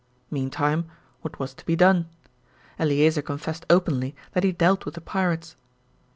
Meantime, what was to be done? Eleazer confessed openly that he dealt with the pirates.